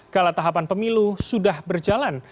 kala tahapan pemilu sudah berjalan